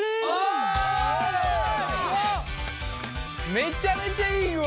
めちゃめちゃいい具合。